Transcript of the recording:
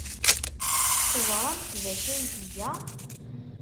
Teẓramt d acu ay iga?